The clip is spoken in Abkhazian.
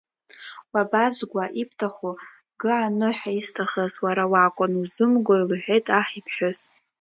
Уабазгуа ибҭаху гы ануҳәа, исҭахыз уара уакәын, узымгои, — лҳәеит аҳ иԥҳәыс.